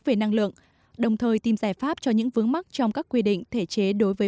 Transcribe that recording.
về năng lượng đồng thời tìm giải pháp cho những vướng mắt trong các quy định thể chế đối với